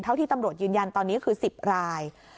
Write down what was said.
ที่ตำรวจยืนยันตอนนี้คือ๑๐ราย